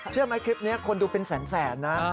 เชื่อไหมคลิปนี้คนดูเป็นแสนนะ